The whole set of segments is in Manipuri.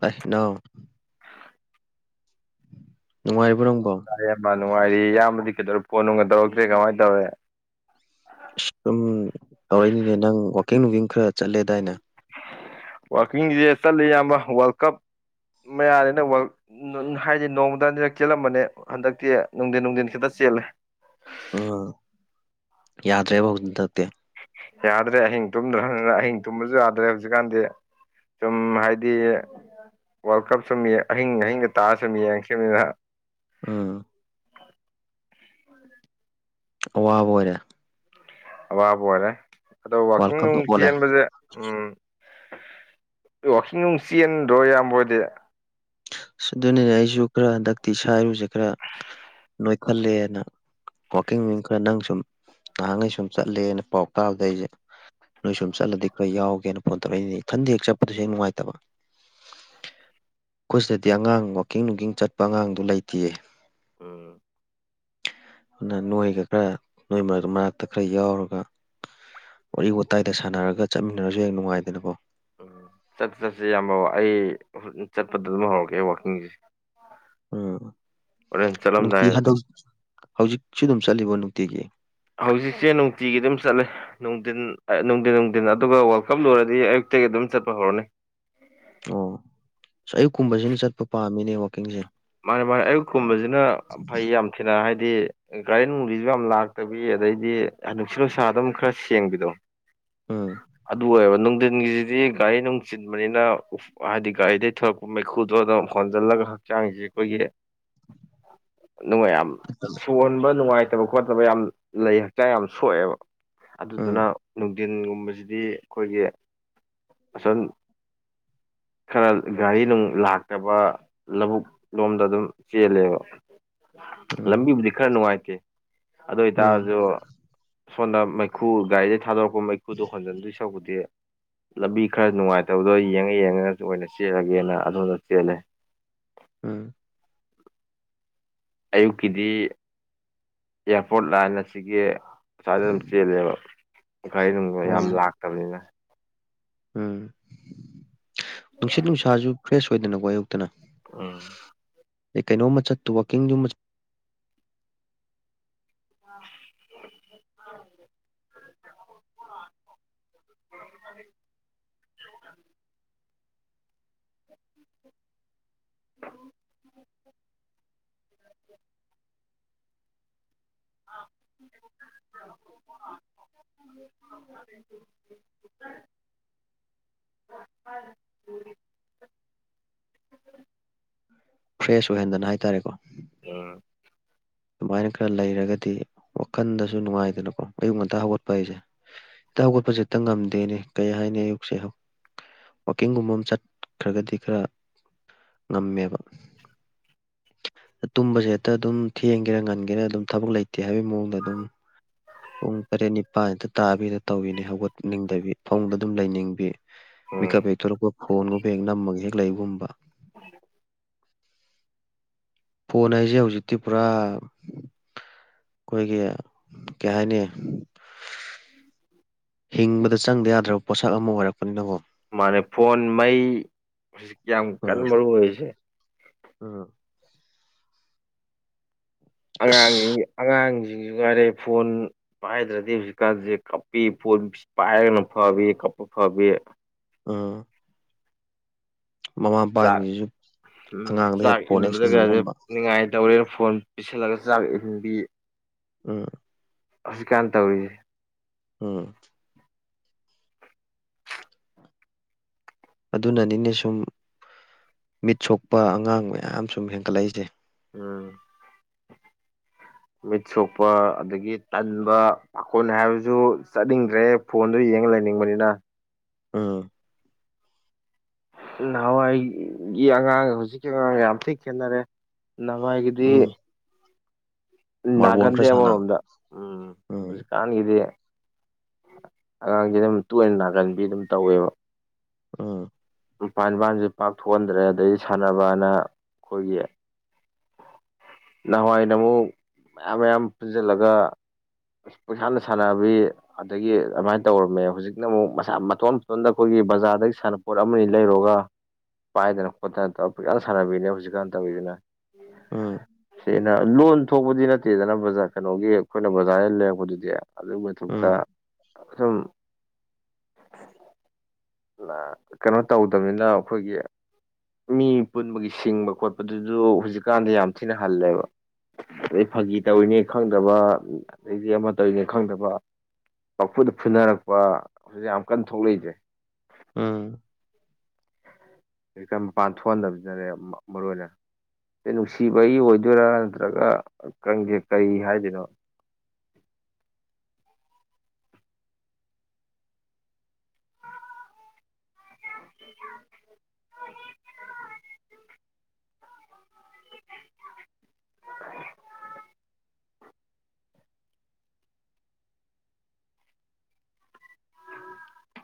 ꯀꯅ ꯅꯨꯡꯉꯥꯏꯕ ꯅꯪꯕꯣ ꯑꯔꯕ ꯅꯨꯡꯉꯥꯏꯔꯤ ꯏꯌꯥꯝꯕꯗꯤ ꯀꯩꯗꯧꯔ ꯀꯣꯟꯅꯨꯡꯒꯗꯧꯔꯛꯇꯦ ꯀꯃꯥꯏꯅ ꯇꯧꯔꯦ ꯑꯁ ꯁꯨꯝ ꯇꯧꯔꯛꯏꯅꯤꯅꯦ ꯅꯪ ꯋꯥꯋꯥꯛꯀꯤꯡ ꯅꯨꯡꯀꯤꯡ ꯈꯔ ꯆꯠꯂꯦꯗꯥꯏꯅ ꯋꯥꯔꯀꯤꯡꯁꯦ ꯆꯠꯂꯤ ꯏꯌꯥꯝꯕ ꯋꯥꯔꯜ ꯀꯞ ꯃꯌꯥꯅꯤꯅ ꯋꯥꯔ ꯍꯥꯏꯗꯤ ꯅꯣꯡꯃꯗ ꯑꯅꯤꯔꯛ ꯆꯦꯜꯂꯝꯕꯅꯦ ꯍꯟꯗꯛꯇꯤ ꯅꯨꯡꯊꯤꯟ ꯅꯨꯡꯊꯤꯟ ꯈꯤꯇ ꯆꯦꯜꯂꯦ ꯎ ꯌꯥꯗ꯭ꯔꯦ ꯍꯗꯠꯇꯦ ꯌꯥꯗ꯭ꯔꯦ ꯑꯍꯤꯡ ꯇꯨꯝꯗ꯭ꯔꯅꯤꯅ ꯑꯍꯤꯡ ꯇꯨꯝꯕꯁꯨ ꯌꯥꯗ꯭ꯔꯦ ꯍꯧꯖꯤꯛꯀꯥꯟꯗꯤ ꯁꯨꯝ ꯍꯥꯏꯗꯤ ꯋꯥꯔꯜ ꯀꯞ ꯁꯨꯝ ꯑꯍꯤꯡ ꯑꯍꯤꯡꯒ ꯇꯥꯑ ꯁꯨꯝ ꯌꯦꯡꯁꯤꯕꯅꯤꯅ ꯑꯥ ꯑꯕ ꯋꯥꯌꯥ ꯑꯋꯥꯕ ꯑꯣꯏꯔꯦ ꯑꯗꯣ ꯋꯥꯔꯜ ꯋꯥꯛꯀꯤꯡ ꯀꯞꯅ ꯅꯨꯡ ꯑꯣꯜꯂꯦ ꯆꯦꯟꯕꯁꯦ ꯎꯝ ꯋꯥꯋꯥꯛꯀꯤꯡ ꯅꯨꯡ ꯆꯦꯟꯗ꯭ꯔꯣ ꯌꯥꯝꯌꯥꯝꯕꯣꯏꯗꯤ ꯑꯗꯨꯅꯤꯅꯦ ꯑꯩꯁꯨ ꯈꯔ ꯍꯟꯗꯛꯇꯤ ꯏꯁꯥ ꯏꯔꯨꯁꯦ ꯈꯔ ꯅꯣꯏꯈꯠꯂꯦꯅ ꯋꯥꯋꯥꯛꯀꯤꯡ ꯃꯤꯡ ꯈꯔ ꯅꯪ ꯁꯨꯝ ꯅꯍꯥꯟꯈꯩ ꯁꯨꯝ ꯆꯠꯂꯦꯅ ꯄꯥꯎ ꯇꯥꯕꯗ ꯑꯩꯁꯦ ꯅꯣꯏ ꯁꯨꯝ ꯆꯠꯂꯗꯤ ꯈꯔ ꯌꯥꯎꯒꯦꯅ ꯐꯣꯟ ꯇꯧꯔꯛꯏꯅꯤꯅꯦ ꯏꯊꯟꯗꯤ ꯍꯦꯛ ꯆꯠꯄꯗꯨꯁꯨ ꯍꯦꯛ ꯅꯨꯡꯉꯥꯏꯇꯕ ꯑꯩꯈꯣꯏ ꯁꯤꯗꯗꯤ ꯑꯉꯥꯡ ꯋꯥꯋꯀꯤꯡ ꯅꯨꯡꯀꯤꯡ ꯆꯠꯄ ꯑꯉꯥꯡꯗꯨ ꯂꯩꯇꯦꯌꯦ ꯑꯣꯝ ꯑꯗꯨꯅ ꯅꯣꯏꯒ ꯈꯔ ꯅꯣꯏ ꯃꯔ ꯃꯔꯛꯇ ꯈꯔ ꯌꯥꯎꯔꯒ ꯋꯥꯔꯤ ꯋꯥꯇꯥꯏꯗ ꯁꯥꯟꯅꯔꯒ ꯆꯠꯃꯤꯟꯅꯔꯁꯨ ꯍꯡ ꯅꯨꯡꯉꯥꯏꯗꯅꯀꯣ ꯎ ꯆꯠꯁ ꯆꯠꯁꯦ ꯌꯥꯝꯕ ꯑꯩ ꯆꯠꯄꯗ ꯑꯗꯨꯝ ꯍꯧꯔꯛꯀꯦ ꯋꯥꯋꯥꯛꯀꯤꯡꯁꯦ ꯎꯝ ꯅꯨꯡꯇꯤ ꯆꯠꯂꯝꯗꯥꯏ ꯍꯟꯗꯣꯛ ꯍꯧꯖꯤꯛꯁꯨ ꯑꯗꯨꯝ ꯆꯠꯂꯤꯕꯣ ꯅꯨꯡꯇꯤꯒꯤ ꯍꯧꯖꯤꯛꯁꯦ ꯅꯨꯡꯇꯤꯒꯤ ꯑꯗꯨꯝ ꯆꯠꯂꯦ ꯅꯨꯡꯊꯤꯟ ꯅꯨꯡꯊꯤꯟ ꯅꯨꯡꯊꯤꯟ ꯑꯗꯨꯒ ꯋꯦꯜꯀꯝ ꯂꯣꯏꯔꯗꯤ ꯑꯌꯨꯛꯇꯒꯤ ꯑꯗꯨꯝ ꯆꯠꯄ ꯍꯧꯔꯅꯤ ꯑꯣ ꯑꯌꯨꯛ ꯀꯨꯝꯕꯁꯤꯅ ꯆꯠꯄ ꯄꯥꯝꯃꯤꯅꯦ ꯋꯥꯛꯀꯤꯡꯁꯦ ꯃꯥꯅꯤ ꯃꯥꯅꯤ ꯑꯌꯨꯛꯀꯨꯝꯕꯁꯤꯅ ꯐꯩ ꯌꯥꯝ ꯊꯤꯅ ꯍꯥꯏꯗꯤ ꯒꯥꯔꯤ ꯅꯣꯡꯂꯤꯁꯨ ꯌꯥꯝ ꯂꯥꯛꯇꯕꯤ ꯑꯗꯩꯗꯤ ꯅꯨꯡꯁꯤꯠ ꯅꯨꯡꯁꯥ ꯑꯗꯨꯝ ꯈꯔ ꯁꯦꯡꯕꯤꯗꯣ ꯎꯝ ꯑꯗꯨ ꯑꯣꯏꯌꯦꯕ ꯅꯨꯡꯊꯤꯟꯒꯤꯁꯤꯗꯤ ꯒꯥꯔꯤ ꯅꯨꯡ ꯆꯤꯟꯕꯅꯤꯅ ꯍꯥꯏꯗꯤ ꯒꯥꯔꯤꯗꯒꯤꯩ ꯊꯂꯛꯄ ꯃꯩꯈꯨꯗꯣ ꯑꯗꯨꯝ ꯍꯣꯟꯖꯜꯂꯒ ꯍꯛꯆꯥꯡꯁꯦ ꯑꯩꯈꯣꯏꯒꯤ [inaudible] ꯅꯨꯡꯉꯥꯏꯌꯥꯝ ꯎꯝ ꯇꯣꯟꯕ ꯅꯨꯡꯉꯥꯏꯇꯕ ꯈꯣꯠꯇꯕ ꯌꯥꯝ ꯂꯩ ꯍꯛꯆꯥꯡ ꯌꯥꯝ ꯁꯣꯛꯑꯦꯕ ꯎꯝ ꯑꯗꯨꯗꯨꯅ ꯅꯨꯡꯊꯤꯟꯒꯨꯝꯕꯁꯤꯗꯤ ꯑꯩꯈꯣꯏꯒꯤ ꯑꯁꯟ ꯈꯔ ꯒꯥꯔꯤ ꯅꯨꯡ ꯂꯥꯛꯇꯕ ꯂꯧꯕꯨꯛ ꯂꯣꯝꯗ ꯑꯗꯨꯝ ꯆꯦꯜꯂꯦꯕ ꯎꯝ ꯂꯝꯕꯤꯕꯨꯗꯤ ꯈꯔ ꯅꯨꯡꯉꯥꯏꯇꯦ ꯑꯗꯨ ꯎꯝ ꯑꯣꯏꯇꯥꯔꯁꯨ ꯁꯣꯝꯗ ꯃꯩꯈꯨ ꯒꯥꯔꯤꯗꯒꯤꯩ ꯊꯥꯗꯣꯔꯛꯄ ꯃꯩꯈꯨꯗꯣ ꯍꯣꯟꯖꯤꯟꯗꯣꯏ ꯁꯛꯄꯨꯗꯤ ꯂꯝꯕꯤ ꯈꯔ ꯅꯨꯡꯉꯥꯏꯇꯕꯗꯣ ꯌꯦꯡꯉ ꯌꯦꯡꯉꯒꯁꯨ ꯑꯣꯏꯅ ꯆꯦꯜꯂꯒꯦꯅ ꯑꯗꯣꯝꯗ ꯆꯦꯜꯂꯦ ꯎꯝ ꯑꯌꯨꯛꯀꯤꯗꯤ ꯑꯦꯌꯥꯔꯄꯣꯔꯠ ꯂꯥꯏꯅ ꯁꯤꯒꯤ ꯁꯃꯏꯗ ꯑꯗꯨꯝ ꯆꯦꯜꯂꯦꯕꯔꯤ ꯑꯗꯨꯝ ꯌꯥꯝ ꯑꯣ ꯂꯥꯛ ꯌꯥꯝꯝꯅꯤꯅ ꯎꯝ ꯅꯨꯡꯁꯤꯠ ꯅꯨꯡꯁꯥꯁꯨ ꯐ꯭ꯔꯦꯁ ꯑꯣꯏꯗꯅ ꯀ‌ꯣ ꯑꯌꯨꯛꯇꯅ ꯎꯝ ꯑꯦ ꯀꯩꯅꯣꯝꯃ ꯆꯠꯇꯨ ꯋꯥꯀꯤꯡꯗꯨ ꯑꯃ ꯑ [inaudible] [inaudible] [inaudible] ꯐ꯭ꯔꯦꯁ ꯑꯣꯏꯍꯟꯗꯅ ꯍꯥꯏꯇꯥꯔꯦꯀꯣ ꯑꯝ ꯑꯗꯨꯃꯥꯏꯅ ꯈꯔ ꯂꯩꯔꯒꯗꯤ ꯋꯥꯈꯟꯗꯁꯨ ꯅꯨꯡꯉꯥꯏꯗꯅꯀꯣ ꯑꯌꯨꯛ ꯉꯟꯇ ꯍꯧꯒꯠꯄ ꯍꯥꯏꯁꯦ ꯏꯇ ꯈꯣꯠꯄꯁꯦꯇ ꯉꯝꯗꯦꯅꯦ ꯀꯩ ꯍꯥꯏꯅꯤ ꯑꯌꯨꯛꯁꯦ ꯋꯥꯋꯥꯛꯀꯤꯡꯒꯨꯝꯕ ꯑꯃ ꯆꯠꯈ꯭ꯔꯒꯗꯤ ꯈꯔ ꯉꯝꯃꯦꯕ ꯇꯨꯝꯕꯁꯦ ꯍꯦꯛꯇ ꯑꯗꯨꯝ ꯊꯦꯡꯒꯦꯔꯥ ꯉꯟꯒꯦꯔꯥ ꯑꯗꯨꯝ ꯊꯕꯛ ꯂꯩꯇꯦ ꯍꯥꯏꯕꯒꯤ ꯃꯑꯣꯡꯗ ꯑꯗꯨꯝ ꯄꯨꯡ ꯇꯔꯦꯠ ꯅꯤꯄꯥꯜ ꯍꯤꯛꯇ ꯇꯥꯕꯤꯔ ꯇꯧꯤꯅꯤ ꯍꯧꯒꯠꯅꯤꯡꯗꯕꯤ ꯐꯣꯡꯗ ꯑꯗꯨꯝ ꯂꯩꯅꯤꯡꯕꯤ ꯎꯝ ꯃꯤꯀꯞ ꯍꯦꯛꯊꯣꯔꯛꯄ ꯐꯣꯟꯒꯨꯝꯕ ꯍꯦꯛ ꯅꯝꯃꯒ ꯍꯦꯛ ꯂꯩꯕꯒꯨꯝꯕ [unintelligible] ꯐꯣꯟ ꯍꯥꯏꯁꯦ ꯍꯧꯖꯤꯛꯇꯤ ꯄꯨꯔꯥ ꯑꯩꯈꯣꯏꯒꯤ ꯀꯩ ꯍꯥꯏꯅꯤ ꯍꯤꯡꯕꯗ ꯆꯪꯗ ꯌꯥꯗ꯭ꯔꯕ ꯄꯣꯠꯁꯛ ꯑꯃ ꯑꯣꯏꯔꯛꯄꯅꯤꯅꯕꯣ ꯃꯥꯅꯦ ꯐꯣꯟ ꯃꯩ ꯌꯥꯝ ꯀꯟꯅ ꯃꯔꯨ ꯑꯣꯏꯔꯤꯁꯦ ꯑꯝ ꯑꯉꯥꯡꯁꯤꯡ ꯑꯉꯥꯡꯁꯤꯡꯁꯨ ꯉꯥꯏꯔꯦ ꯐꯣꯟ ꯄꯥꯏꯗ꯭ꯔꯗꯤ ꯍꯧꯖꯤꯛꯀꯥꯟꯁꯦ ꯀꯞꯄꯤ ꯐ‌ꯣꯅ ꯄꯥꯏꯔꯒꯅ ꯐꯕꯤ ꯀꯞꯄ ꯐꯕꯤ ꯑ ꯆꯥꯛ ꯃꯄꯥꯁꯤꯡꯁꯤꯁꯨ ꯎꯝ ꯑꯉꯥꯡꯗ ꯍꯦꯛ ꯆꯥꯛ ꯐꯣꯟ ꯍꯦꯛ ꯏꯟꯕꯗ ꯁꯟꯅꯕꯒꯨꯝꯕ ꯈꯁꯦꯅꯤꯡꯉꯥꯏ ꯇꯧꯔꯦꯅ ꯐꯣꯟ ꯄꯤꯤꯁꯜꯂꯒ ꯆꯥꯛ ꯏꯟꯕꯤ ꯎꯝ ꯍꯧꯖꯤꯛꯀꯥꯟ ꯇꯧꯔꯤꯁꯦ ꯎꯝ ꯑꯗꯨꯅꯅꯤꯅꯦ ꯁꯨꯝ ꯃꯤꯠ ꯁꯣꯛꯄ ꯑꯉꯥꯡ ꯃꯌꯥꯝ ꯁꯨꯝ ꯍꯦꯟꯒꯠꯂꯛꯏꯁꯦ ꯎꯝ [inaudible] ꯃꯤꯠ ꯁꯣꯛꯄ ꯑꯗꯒꯤ ꯇꯟꯕ ꯄꯥꯈꯣꯟ ꯍꯥꯏꯕꯁꯨ ꯆꯠꯅꯤꯡꯗ꯭ꯔꯦ ꯐꯣꯟꯗꯨ ꯌꯦꯡꯉ ꯂꯩꯅꯤꯡꯕꯅꯤꯅ ꯑꯝ ꯅꯍꯥꯟꯋꯥꯏꯒꯤ ꯑꯉꯥꯡ ꯍꯧꯖꯤꯛꯀꯤ ꯑꯉꯥꯡꯒ ꯌꯥꯝ ꯊꯤ ꯈꯦꯠꯅꯔꯦ ꯅꯋꯥꯒꯤꯗꯤ ꯎꯝ ꯃꯥꯔꯕꯣꯜ ꯅꯒꯟꯗꯦ ꯈꯔ ꯁꯥꯟꯅ ꯑꯃꯔꯣꯗ ꯎꯝ ꯎꯝ ꯍꯧ ꯍꯀꯥꯟꯒꯤꯗꯤ ꯑꯉꯥꯡꯁ ꯑꯗꯨꯝ ꯇꯣꯏꯅ ꯅꯥꯒꯟꯕꯤ ꯑꯗꯨꯝ ꯇꯧꯋꯦꯕ ꯎꯝ ꯃꯄꯥꯟ ꯏꯄꯥꯟꯁꯦ ꯄꯥꯛ ꯊꯣꯛꯣꯛꯍꯟꯗ꯭ꯔꯦ ꯑꯗꯩ ꯁꯥꯟꯅꯕꯅ ꯑꯩꯈꯣꯏꯒꯤ ꯅꯍꯥꯟꯋꯥꯏꯅ ꯑꯃꯨꯛ ꯃꯌꯥꯝ ꯃꯌꯥꯝ ꯄꯨꯟꯁꯤꯜꯂꯒ ꯑꯁ ꯄꯩꯁꯥꯅ ꯁꯥꯟꯅꯕꯤ ꯑꯗꯒꯤ ꯑꯗꯨꯃꯥꯏꯅ ꯇꯧꯔꯝꯃꯦ ꯍꯧꯖꯤꯛꯅ ꯑꯃꯨꯛ ꯃꯁ ꯃꯇꯊꯣꯟ ꯃꯇꯊꯣꯟꯗ ꯑꯩꯈꯣꯏꯒꯤ ꯕꯖꯥꯔꯗꯒꯤ ꯁꯥꯟ ꯄꯣꯠ ꯑꯃꯅꯤ ꯂꯩꯔꯨꯔꯒ ꯄꯥꯏꯗꯅ ꯈꯣꯠꯇꯅ ꯇ‌ꯧ ꯄꯨꯛꯁꯥꯟ ꯁꯥꯟꯕꯤꯅꯦ ꯍꯧꯖꯤꯛꯀꯥꯟ ꯇꯧꯔꯤꯗꯨꯅ ꯑꯝ ꯑꯩꯅ ꯂꯣꯟ ꯊꯣꯛꯄꯗꯤ ꯅꯠꯇꯦꯗꯅ ꯕꯖꯥꯔ ꯀꯩꯅꯣꯒꯤ ꯑꯩꯈꯣꯏꯅ ꯕꯖꯥꯔꯗ ꯂꯩꯔꯛꯄꯗꯨꯗꯤ ꯑꯗꯨꯒꯤ ꯃꯊꯛꯇ ꯎꯝ ꯁꯨꯝ ꯀꯩꯅꯣ ꯇꯧꯗꯕꯅꯤꯅ ꯑꯩꯈꯣꯏꯒꯤ ꯃꯤ ꯄꯨꯟꯕꯒꯤ ꯁꯤꯡꯕ ꯈꯣꯠꯄꯗꯨꯗ ꯍꯧꯖꯤꯛꯀꯥꯟꯗ ꯌꯥꯝ ꯊꯤꯅ ꯍꯜꯂꯦꯕ ꯑꯗꯩ ꯐꯥꯒꯤ ꯇꯧꯔꯤꯅꯦ ꯈꯪꯗꯕ ꯑꯗꯩꯗꯤ ꯑꯃ ꯇꯧꯔꯤꯅꯦ ꯈꯪꯗꯕ ꯄꯐꯨꯗ ꯐꯨꯅꯔꯛꯄ ꯍꯧꯖꯤꯛ ꯌꯥꯝ ꯀꯟꯅ ꯊꯣꯛꯂꯛꯏꯁ꯭ꯔꯦ ꯎꯝ ꯈ ꯃꯄꯥꯟ ꯊꯣꯛꯍꯟꯗꯕꯁꯤꯅꯅꯦ ꯃꯔꯨ ꯑꯣꯏꯅ ꯅꯨꯡꯁꯤꯕꯒꯤ ꯑꯣꯏꯗꯣꯏꯔꯥ ꯅꯠꯇ꯭ꯔꯒꯪꯁꯦ ꯀꯔꯤ ꯍꯥꯏꯗꯣꯏꯅꯣ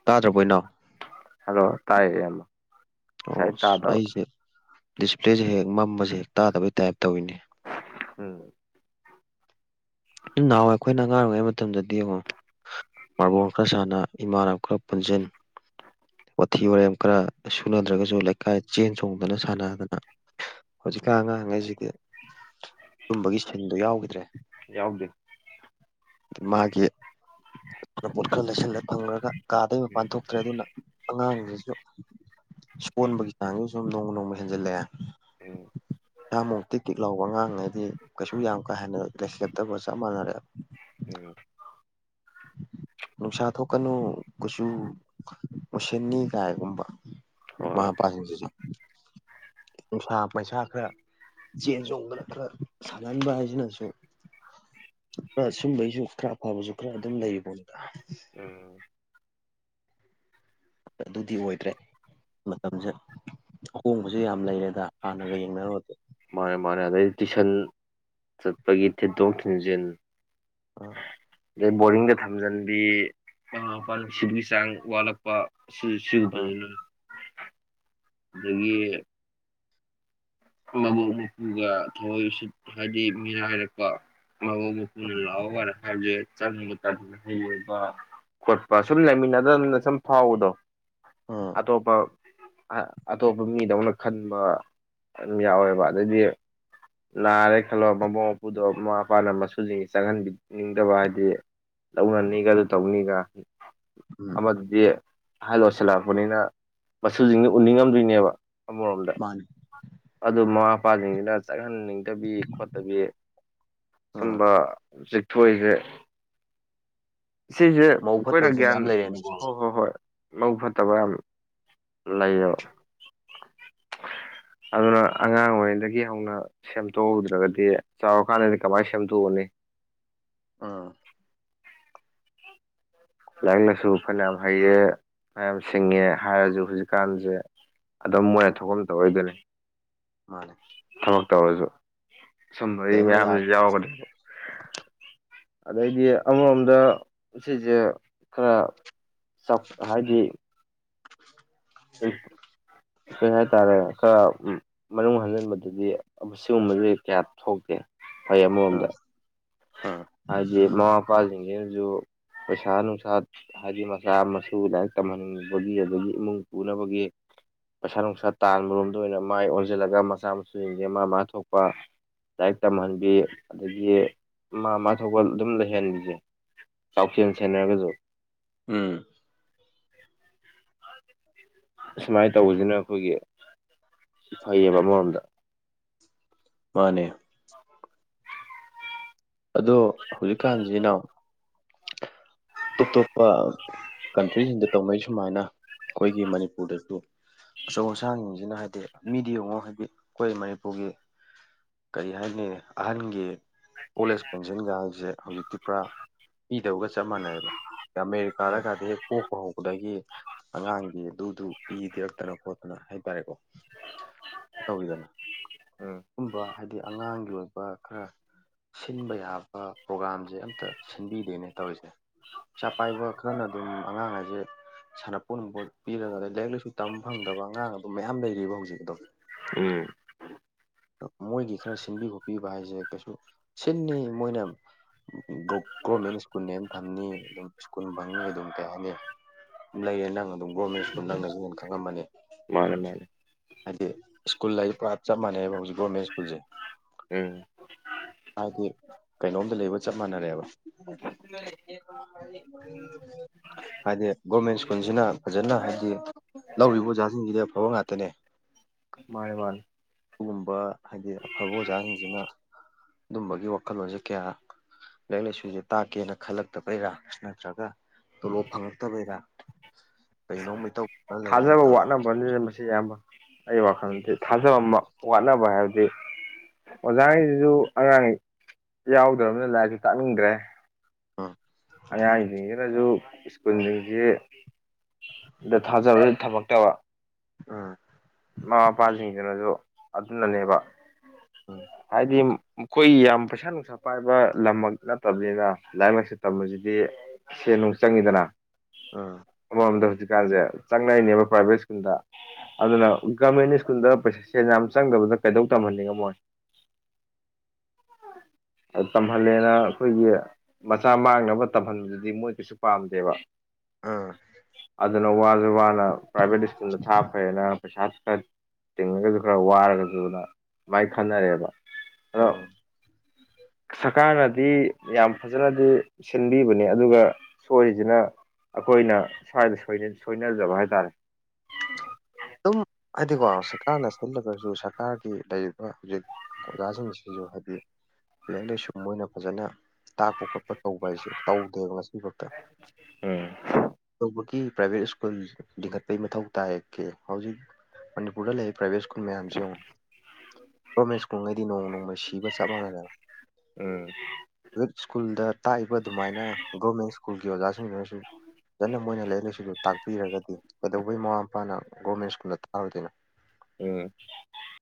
ꯇꯥꯗ꯭ꯔꯕꯣꯏꯅꯣ ꯍꯜꯂꯣ ꯇꯥꯏꯌꯦ ꯌꯥꯝꯣ ꯑꯣꯁ ꯑꯩꯁꯦ ꯗꯤꯁꯄ꯭ꯂꯦꯁꯦ ꯍꯦꯛ ꯃꯝꯕꯁꯦ ꯍꯦꯛ ꯇꯥꯗꯕꯩ ꯇꯥꯏꯞ ꯇꯧꯋꯤꯅꯦ ꯎꯝ [unintelligible] ꯅꯍꯥꯟꯋꯥꯏ ꯑꯩꯈꯣꯏꯅ ꯑ ꯉꯥꯡ ꯑꯣꯏꯔꯤꯉꯩ ꯃꯇꯝꯗꯗꯤꯡꯉꯣ ꯃꯥꯔꯕꯣꯟ ꯈꯔ ꯁꯥꯟꯅ ꯏꯃꯥꯟꯅꯕ ꯈꯔ ꯄꯨꯟꯁꯤꯟ ꯋꯥꯊꯤ ꯋꯥꯔꯦꯝ ꯈꯔ ꯁꯨꯅꯗ꯭ꯔꯒꯁꯨ ꯂꯩꯀꯥꯏ ꯆꯦꯟ ꯆꯣꯡꯗꯅ ꯁꯥꯟꯅꯗꯅ ꯍꯧꯖꯤꯛꯀꯥꯟ ꯑꯉꯥꯡꯉꯩꯁꯤꯗꯤ ꯇꯨꯝꯕꯒꯤ ꯁꯤꯟꯗꯣ ꯌꯥꯎꯈꯤꯗ꯭ꯔꯦ ꯌꯥꯎꯕ ꯃꯥꯒꯤ ꯃꯄꯣꯠ ꯈꯔ ꯂꯩꯁꯜꯂ ꯊꯝꯒꯔꯒ ꯀꯥꯗ ꯒꯤ ꯃꯄꯥꯟ ꯎꯝ ꯊꯣꯛꯇ꯭ꯔꯦ ꯑꯗꯨꯅ ꯑꯉꯥꯡꯈꯩꯁꯨ ꯁꯣꯟꯕꯒꯤ ꯆꯥꯡꯁꯤꯁꯨ ꯁꯨꯝ ꯅꯣꯡꯃ ꯅꯣꯡꯃ ꯍꯦꯟꯖꯜꯂꯛꯑꯦ ꯎꯝ ꯑꯃꯣꯛꯇ ꯀꯂ ꯋꯥꯉꯥꯡꯉꯩꯗꯤ ꯀꯩꯁꯨ ꯌꯥꯝ ꯀꯥ ꯍꯦꯟꯅ ꯔꯦꯁꯄꯦꯞꯇꯧꯕꯒ ꯆꯞ ꯃꯥꯟꯅꯔꯦꯕ ꯎꯝ [inaudible] ꯅꯨꯡꯁꯥ ꯊꯣꯛꯀꯅꯨ ꯀꯨꯆꯨ ꯃꯨꯁꯤꯟꯅꯤ ꯀꯥꯏꯒꯨꯝꯕ ꯍꯣꯏ ꯃꯃꯥ ꯃꯄꯥꯁꯤꯡꯁꯤꯁꯨ ꯅꯨꯡꯁꯥ ꯄꯩꯁꯥ ꯈꯔ ꯆꯦꯟ ꯆꯣꯡꯗꯥꯅ ꯈꯔ ꯁꯥꯟꯍꯟꯕ ꯍꯥꯏꯁꯤꯅꯁꯨ ꯁꯨꯝꯕꯩꯁꯨ ꯈꯔ ꯑꯐꯕꯁꯨ ꯈꯔ ꯑꯗꯨꯝ ꯂꯩꯕꯣꯅꯤꯗ ꯎꯝ ꯑꯗꯨꯗꯤ ꯑꯣꯏꯗ꯭ꯔꯦ ꯃꯇꯝꯁꯦ ꯑꯍꯣꯡꯕꯁꯨ ꯌꯥꯝ ꯂꯩꯔꯦꯗ ꯍꯥꯟꯅꯒ ꯌꯦꯡꯅꯔꯨꯔꯗ ꯃꯥꯅꯦ ꯃꯥꯅꯦ ꯑꯗꯩ ꯇꯨꯏꯁꯟ ꯆꯠꯄꯒꯤ ꯊꯤꯟꯗꯣꯛ ꯊꯤꯟꯖꯤꯟ ꯑꯥ ꯑꯗꯩ ꯕꯣꯔꯤꯡꯗ ꯊꯝꯖꯤꯟꯕꯤ ꯃꯃꯥ ꯃꯄꯄꯥ ꯅꯨꯡꯁꯤꯕꯒꯤ ꯆꯥꯡ ꯋꯥꯠꯂꯛꯄ ꯁꯤ ꯁꯤ ꯑꯥ ꯗꯔ꯭ꯦꯌꯦ ꯑꯗꯒꯤ ꯃꯕꯣꯛ ꯃꯄꯨꯒ ꯊꯑꯣꯏ ꯎꯁꯤꯠꯇꯥ ꯍꯥꯏꯕꯗꯤ ꯃꯤꯔꯥꯏꯔꯛꯄ ꯑ ꯃꯕꯔ ꯍꯥꯖꯦ [unintelligible] ꯆꯪꯕ ꯇꯗꯅ ꯍꯩꯕ ꯈꯣꯠꯄ ꯁꯨꯝ ꯂꯩꯃꯤꯟꯅꯗꯕꯅ ꯁꯨꯝ ꯐꯥꯎꯕꯗꯣ ꯑꯣ ꯑꯇꯣꯞꯄ ꯑꯇꯣꯞꯄ ꯃꯤꯗꯧꯅ ꯈꯟꯕ ꯑꯗꯨꯝ ꯌꯥꯎꯋꯦꯕ ꯑꯗꯩꯗꯤ ꯅꯥꯔꯦ ꯈꯜꯂꯣ ꯃꯕꯨꯡ ꯃꯧꯄꯨꯗꯣ ꯃꯃꯥ ꯃꯄꯥꯅ ꯃꯁꯨꯁꯤꯡꯁꯤ ꯆꯪꯍꯟꯕꯤꯅꯤꯡꯗꯕ ꯍꯥꯏꯗꯤ ꯂꯧꯧꯅꯅꯤꯒ ꯑꯗꯨ ꯇꯧꯅꯤꯒ ꯎꯝ ꯑꯃ ꯑꯍꯜ ꯑꯣꯏꯁꯤꯜꯂꯛꯄꯅꯤꯅ ꯃꯁꯨꯁꯤꯡꯅ ꯎꯅꯤꯡꯉꯝꯗꯣꯏꯅꯦꯕ ꯑꯃꯔꯣꯝꯗ ꯃꯥꯅꯤ ꯑꯗꯨ ꯃꯃꯥ ꯃꯄꯥꯁꯤꯡꯁꯤꯅ ꯆꯠꯍꯟꯅꯤꯡꯗꯕꯤ ꯈꯣꯠꯇꯕꯤ ꯎꯝ ꯁꯨꯝꯕ ꯎꯆꯖꯤꯦꯛꯊꯏꯁꯦ ꯁꯤꯁꯦ ꯃꯧ ꯑꯩꯈꯣꯏꯅ ꯐꯠꯇꯕꯁꯨ ꯒ꯭ꯌꯥꯟ ꯃꯌꯥꯝ ꯂꯩꯔꯦꯅꯦꯀꯣ ꯍꯣꯏ ꯍꯣꯏ ꯍꯣꯏ ꯃꯕꯨꯛ ꯐꯠꯇꯕ ꯌꯥꯝ ꯂꯩꯌꯦꯕ ꯑꯗꯨꯅ ꯑꯉꯥꯡ ꯑꯣꯏꯔꯤꯉꯩꯗꯒꯤ ꯍꯧꯅ ꯁꯦꯝꯗꯣꯛꯍꯧꯗ꯭ꯔꯒꯗꯤ ꯆꯥꯎꯔꯀꯥꯟꯗꯗꯤ ꯀꯃꯥꯏꯅ ꯁꯦꯝꯗꯣꯛꯑꯅꯤ ꯑꯥ ꯂꯥꯏꯔꯤꯛꯅꯁꯨ ꯐꯅꯌꯥꯝ ꯍꯩꯌꯦ ꯃꯌꯥꯝ ꯁꯤꯡꯉꯦ ꯍꯥꯏꯔꯁꯨ ꯍꯧꯖꯤꯛꯀꯥꯟꯁꯦ ꯑꯗꯨꯝ ꯃꯣꯏꯅ ꯊꯣꯛꯐꯝ ꯇꯧꯔꯛꯏꯗꯨꯅꯤ ꯃꯥꯅꯤ ꯊꯕꯛ ꯇꯧꯔꯁꯨ ꯁꯨꯝꯝꯕꯒꯤ ꯗꯥꯏꯔꯦꯛꯅ ꯌꯥꯔꯦ ꯃꯌꯥꯝꯗꯨꯁꯨ ꯌꯥꯎꯔꯒꯅꯦ ꯑꯗꯩꯗꯤ ꯑꯃꯔꯣꯝꯗ ꯁꯤꯁꯦ ꯈꯔ ꯁꯞ ꯍꯥꯏꯗꯤ [inaudible] ꯎ ꯀꯩ ꯍꯥꯏꯇꯥꯔꯦ ꯈꯔ ꯃꯅꯨꯡ ꯍꯟꯖꯤꯟꯕꯗꯗꯤ ꯃꯁꯤꯒꯨꯝꯕꯗꯤ ꯀꯌꯥ ꯊꯣꯛꯇꯦ ꯐꯩ ꯑꯃꯔꯣꯝꯗ ꯑꯝ ꯑꯥ ꯍꯥꯏꯗꯤ ꯃꯃꯥ ꯃꯄꯥꯁꯤꯡꯁꯤꯅꯁꯨ ꯄꯩꯁꯥ ꯅꯨꯡꯁꯥ ꯍꯥꯏꯗꯤ ꯃꯆꯥ ꯃꯁꯨ ꯂꯥꯏꯔꯤꯛ ꯇꯝꯍꯟꯅꯤꯡꯕꯒꯤ ꯑꯗꯒꯤ ꯏꯃꯨꯡ ꯄꯨꯅꯕꯒꯤ ꯄꯩꯁꯥ ꯅꯨꯡꯁꯥ ꯇꯥꯟꯕꯔꯣꯝꯗ ꯑꯣꯏꯅ ꯃꯥꯏ ꯑꯣꯟꯁꯤꯜꯂꯒ ꯃꯆꯥ ꯃꯁꯨꯁꯤꯡꯁꯦ ꯃꯥ ꯃꯥ ꯊꯣꯛꯄ ꯂꯥꯏꯔꯤꯛ ꯇꯝꯍꯟꯕꯤ ꯑꯗꯒꯤ ꯃꯥꯏ ꯃꯥꯏ ꯊꯣꯛꯄ ꯑꯗꯨꯝ ꯂꯩꯍꯟꯕꯤꯁꯦ ꯆꯥꯎꯁꯦꯜ ꯁꯦꯟꯅꯔꯒꯁꯨ ꯎꯝ ꯑꯨꯃꯥꯏꯅ ꯇꯧꯕꯁꯤꯅ ꯑꯩꯈꯣꯏꯒꯤ ꯐꯩꯌꯦꯕ ꯑꯃꯔꯣꯝꯗ ꯃꯥꯅꯦ ꯑꯗꯣ ꯍꯧꯖꯤꯛꯀꯥꯟꯁꯤꯅ ꯇꯣꯞ ꯇꯣꯞꯄ ꯀꯟꯇ꯭ꯔꯤꯁꯤꯡꯗ ꯇꯧꯅꯩ ꯁꯨꯃꯥꯏꯅ ꯑꯩꯈꯣꯏꯒꯤ ꯃꯅꯤꯄꯨꯔꯗꯁꯨ ꯑꯆꯧ ꯑꯁꯥꯡꯁꯤꯡꯁꯤꯅ ꯍꯥꯏꯗꯤ ꯃꯤꯗꯤ ꯌꯦꯡꯉꯣ ꯍꯥꯏꯕꯤ ꯑꯩꯈꯣꯏ ꯃꯅꯤꯄꯨꯔꯒꯤ ꯀꯔꯤ ꯍꯥꯏꯅꯤ ꯑꯍꯟꯒꯤ ꯑꯣꯜ ꯑꯦꯖ ꯄꯦꯟꯁꯤꯟꯒꯁꯦ ꯍꯧꯖꯤꯛꯇꯤ ꯄꯨꯔꯥ ꯄꯤꯗꯕꯒ ꯆꯞ ꯃꯥꯟꯅꯩꯕ ꯑꯃꯃꯦꯔꯤꯀꯥꯂ ꯀꯗꯦ [unintelligible] ꯄꯣꯛꯄ ꯍꯧꯕꯗꯒꯤ ꯑꯉꯥꯡꯒꯤ ꯑꯗꯨꯗꯨ ꯄꯤꯗꯔꯛꯇꯅ ꯈꯣꯠꯇꯅ ꯍꯥꯏꯇꯥꯔꯦꯀꯣ ꯇꯧꯋꯤꯗꯅ ꯎꯝ ꯁꯨꯝꯕ ꯍꯥꯏꯗꯤ ꯑꯉꯥꯡꯒꯤ ꯑꯣꯏꯕ ꯈꯔ ꯁꯤꯟꯕ ꯌꯥꯕ ꯄ꯭ꯔꯣꯒꯥꯝꯁꯦ ꯑꯝꯇ ꯁꯤꯟꯕꯤꯗꯦꯅꯦ ꯇꯧꯔꯤꯁꯦ ꯄꯩꯁꯥ ꯄꯥꯏꯕ ꯈꯔꯅ ꯑꯗꯨꯝ ꯑꯉꯥꯡ ꯍꯥꯏꯁꯦ ꯁꯥꯟꯅꯄꯣꯠ ꯅꯣꯡꯄꯣꯠ ꯄꯤꯔꯒ ꯑꯗꯩꯩ ꯂꯥꯏꯔꯤꯛ ꯂꯥꯏꯁꯨ ꯇꯝꯕ ꯐꯝꯗꯕ ꯑꯉꯥꯡ ꯑꯗꯨꯝ ꯃꯌꯥꯝ ꯂꯩꯔꯤꯕ ꯍꯧꯖꯤꯛꯗꯧ ꯎꯝ ꯃꯣꯏꯒꯤ ꯈꯔ ꯁꯤꯟꯕꯤ ꯈꯣꯠꯄꯤꯕ ꯍꯥꯏꯁꯦ ꯀꯩꯁꯨ ꯁꯤꯟꯅꯤ ꯃꯣꯏꯅ ꯒꯣꯔꯃꯦꯟ ꯁ꯭ꯀꯨꯜꯅꯦ ꯊꯝꯅꯤ ꯑꯗꯨꯝ ꯁ꯭ꯀꯨꯜ ꯐꯪꯉꯤ ꯑꯗꯨꯝ ꯀꯩꯍꯥꯏꯅꯤ ꯂꯩꯌꯦꯦ ꯅꯪ ꯑꯗꯨꯝ ꯒꯣꯔꯃꯦꯟ ꯁ꯭ꯀꯨꯜ ꯅꯪꯅ ꯍꯦꯟꯅ ꯈꯪꯉꯃꯅꯤ ꯃꯥꯅꯦ ꯃꯥꯅꯦ ꯍꯥꯏꯗꯤ ꯁ꯭ꯀꯨꯜ ꯂ ꯄꯨꯔꯥ ꯆꯞ ꯃꯥꯟꯅꯩꯑꯕ ꯍꯧꯖꯤꯛ ꯒꯣꯔꯃꯦꯟ ꯁ꯭ꯀꯨꯜꯁꯦ ꯎꯝ ꯍꯥꯏꯗꯤ ꯀꯩꯅꯣꯝꯗ ꯂꯩꯕ ꯆꯞ ꯃꯥꯟꯅꯔꯦꯕ [inaudible] ꯍꯥꯏꯗꯤ ꯒꯣꯔꯃꯦꯟ ꯁ꯭ꯀꯨꯜꯁꯤꯅ ꯐꯖꯅ ꯍꯥꯏꯕꯗꯤ ꯂꯧꯔꯤꯕ ꯑꯣꯖꯥꯁꯤꯡꯁꯤꯗꯤ ꯑꯐꯕ ꯉꯥꯛꯇꯅꯦ ꯃꯥꯅꯦ ꯃꯥꯅꯦ ꯑꯗꯨꯒꯨꯝꯕ ꯍꯥꯏꯗꯤ ꯑꯐꯕ ꯑꯣꯖꯥꯁꯤꯡꯁꯤꯅ ꯑꯗꯨꯝꯕꯒꯤ ꯋꯥꯈꯜꯂꯣꯟꯁꯦ ꯀꯌꯥ ꯂꯥꯏꯔꯤꯛ ꯂꯥꯏꯁꯨꯁꯦ ꯇꯥꯛꯀꯦꯅ ꯈꯜꯂꯛꯇꯕꯩꯔꯥꯁ ꯅꯠꯇ꯭ꯔꯒ ꯇꯣꯂꯣꯞ ꯐꯪꯉꯛꯇꯕꯩꯔ ꯀꯩꯅꯣꯃꯩ ꯇꯧ ꯊꯥꯖꯕ ꯋꯥꯠꯅꯕꯅꯤꯅ ꯃꯁꯤ ꯑꯌꯥꯝꯕ ꯑꯩ ꯋꯥꯈꯜꯗꯤꯥꯖ ꯐꯖ ꯑꯃ ꯋꯥꯠꯅꯕ ꯍꯥꯏꯕꯗꯤ ꯑꯣꯖꯥꯉꯩꯁꯤꯁꯨ ꯑꯉꯥꯡ ꯌꯥꯎꯗ꯭ꯔꯕꯅ ꯂꯥꯏꯔꯤꯛꯁꯨ ꯇꯥꯛꯅꯤꯡꯗ꯭ꯔꯦ ꯑꯥ ꯑ ꯁꯤꯅꯁꯨ ꯁ꯭ꯀꯨꯜꯁꯤꯡꯁꯤꯦ ꯗ ꯊꯥꯖꯕ ꯊꯝꯃꯛꯇꯕ ꯑꯥ ꯃꯃꯥ ꯃꯄꯥꯁꯤꯡꯗꯨꯅꯁꯨ ꯑꯗꯨꯅꯅꯦꯕ ꯎꯝ ꯍꯥꯏꯗꯤ ꯃꯈꯣꯏ ꯌꯥꯝ ꯄꯩꯁꯥ ꯅꯨꯡꯁꯥ ꯄꯥꯏꯕ ꯂꯝꯃꯛ ꯅꯠꯇꯕꯅꯤꯅ ꯂꯥꯏꯔꯤꯛ ꯂꯥꯏꯁꯨ ꯇꯝꯕꯁꯤꯗꯤ ꯁꯦ ꯅꯨꯡ ꯆꯪꯉꯤꯗꯅ ꯑꯥ ꯑꯃꯃꯝꯗ ꯍꯧꯖꯤꯛꯀꯥꯟꯁꯦ ꯆꯪꯅꯔꯤꯅꯦꯕ ꯄ꯭ꯔꯥꯏꯚꯦꯠ ꯁ꯭ꯀꯨꯜꯗ ꯑꯗꯨꯅ ꯒꯣꯔꯃꯦꯟ ꯁ꯭ꯀꯨꯜꯗ ꯄꯩꯁꯥ ꯁꯦꯟ ꯌꯥꯝ ꯆꯪꯗꯕꯗ ꯀꯩꯗꯧ ꯇꯝꯍꯟꯅꯤꯡꯉꯃꯣꯏ [inaudible] ꯇꯝꯍꯜꯂꯦꯅ ꯑꯩꯈꯣꯏꯒꯤ ꯃꯆꯥ ꯃꯥꯡꯅꯕ ꯇꯝꯍꯟꯕꯗꯨꯗꯤ ꯃꯣꯏ ꯀꯩꯁꯨ ꯄꯥꯝꯗꯦꯕ ꯎꯝ ꯑꯗꯨꯅ ꯋꯥꯁꯨꯦ ꯋꯥꯅ ꯄ꯭ꯔꯥꯏꯚꯦꯠ ꯁ꯭ꯀꯨꯜꯗ ꯊꯥ ꯐꯩꯅ ꯄꯩꯁꯥꯁꯨ ꯈꯔ ꯇꯤꯡꯉꯒꯁꯨ ꯈꯔ ꯋꯥꯔꯒꯁꯨꯅ ꯑꯗꯨꯥꯏ ꯈꯟꯅꯔꯦꯕ ꯑ [unintelligible] ꯎꯝ ꯁꯔꯀꯥꯔꯅꯗꯤ ꯌꯥꯝ ꯐꯖꯅꯗꯤ ꯁꯤꯟꯕꯤꯕꯅꯤ ꯑꯗꯨꯒ ꯁꯣꯏꯔꯤꯁꯤꯅ ꯑꯩꯈꯣꯏꯅ ꯁ꯭ꯋꯥꯏꯗ ꯁꯣꯏꯅꯖꯕ ꯍꯥꯏꯇꯥꯔꯦ ꯑꯗꯨꯝ ꯍꯥꯏꯗꯤꯀꯣ ꯁꯔꯀꯥꯔꯅ ꯁꯣꯟꯖꯒꯔꯁꯨ ꯁꯔꯀꯥꯔꯒꯤ ꯂꯩꯔꯤꯕ ꯍꯧꯖꯤꯛ ꯑꯣꯖꯥꯁꯤꯡꯁꯤꯁꯨ ꯍꯥꯏꯗꯤ ꯂꯥꯏꯔꯤꯛ ꯂꯥꯏꯁꯨ ꯃꯣꯏꯅ ꯐꯖꯅ ꯇꯥꯛꯄ ꯈꯣꯠꯄ ꯇꯧꯕ ꯍꯥꯏꯁꯦ ꯇꯧꯗꯦꯕ ꯉꯁꯤ ꯐꯥꯎꯛꯇ ꯎꯝ ꯀꯩꯇꯧꯕꯒꯤ ꯄ꯭ꯔꯥꯏꯚꯦꯠ ꯁ꯭ꯀꯨꯜ ꯂꯤꯡꯈꯠꯄꯒꯤ ꯃꯊꯧ ꯇꯥꯒꯦ ꯍꯧꯖꯤꯛ ꯃꯅꯤꯄꯨꯔꯗ ꯂꯩꯔꯤꯕꯥ ꯄ꯭ꯔꯥꯏꯕꯦꯠ ꯁ꯭ꯀꯨꯜ ꯃꯌꯥꯝꯁꯤ ꯌꯦꯡꯎ ꯒꯣꯔꯃꯦꯟ ꯁ꯭ꯀꯨꯜꯉꯩꯗꯤ ꯅꯣꯡ ꯅꯣꯡꯃ ꯁꯤꯕ ꯆꯞ ꯃꯥꯟꯅꯔꯦ ꯎꯝ ꯄꯔꯥꯏꯚꯦꯠ ꯁ꯭ꯀꯨꯜꯗ ꯇꯥꯛꯏꯕ ꯑꯗꯨꯃꯥꯏꯅ ꯒꯣꯔꯃꯦꯟꯠ ꯁ꯭ꯀꯨꯜꯒꯤ ꯑꯣꯖꯥꯁꯤꯡꯗꯨꯅꯁꯨ ꯐꯖꯅ ꯃꯣꯏꯅ ꯂꯥꯏꯔꯤꯛ ꯂꯥꯏꯁꯨꯗꯣ ꯇꯥꯛꯄꯤꯔꯒꯗꯤ ꯀꯩꯗꯧꯕꯩ ꯃꯃꯥ ꯃꯄꯥꯅ ꯒꯣꯔꯃꯦꯟ ꯁꯀꯨꯜ ꯊꯔꯣꯏꯗꯔ꯭ꯤꯅꯦ ꯎꯝ [unintelligible]